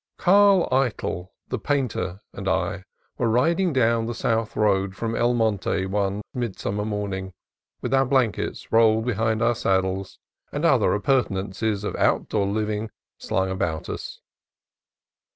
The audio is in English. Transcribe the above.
Carl Eytel the painter and I were riding down the south road from EI Monte one midsummer morning, with our blan kets rolled behind our saddles and other appurten ances of outdoor living slung about us.